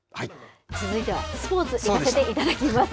続いては、スポーツいかせていただきます。